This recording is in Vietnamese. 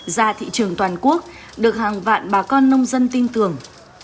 ra thị trường toàn quốc được hàng vạn bà con nông dân tin tưởng